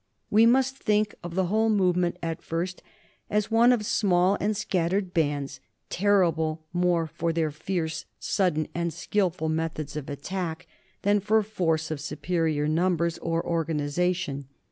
We must think of the whole movement at first as one of small and scattered bands, terrible more for their fierce, sudden, and skilful methods of attack, than for force of su perior numbers or organization.